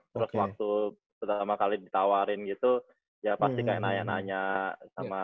terus waktu pertama kali ditawarin gitu ya pasti kayak nanya nanya